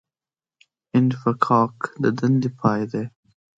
انفکاک د دندې پای دی